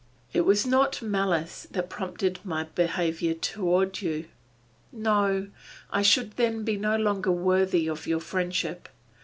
It was not malice that prompted my behavior toward you. No! I should then be no longer worthy of your friendship.